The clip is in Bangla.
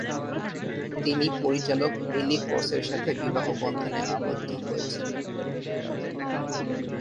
তিনি পরিচালক এলি ক্রসের সাথে বিবাহবন্ধনে আবদ্ধ হয়েছেন।